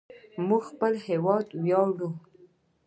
موږ په خپل هیواد ویاړو.